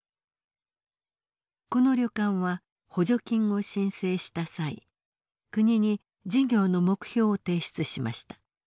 この旅館は補助金を申請した際国に事業の目標を提出しました。